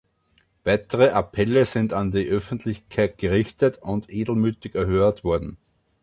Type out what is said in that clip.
Weitere Appelle sind an die Öffentlichkeit gerichtet und edelmütig erhört worden.